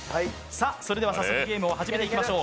それでは早速、ゲームを始めていきましょう。